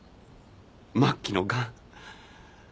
末期のがん。